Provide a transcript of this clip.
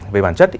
về bản chất ý